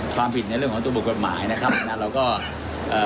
ความผิดในเรื่องของตัวบุคคลนะครับนะเราก็เอ่อ